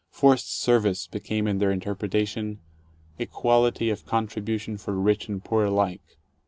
Forced service became in their interpretation "equality of contribution for rich and poor alike."